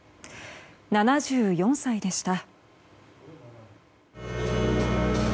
７４歳でした。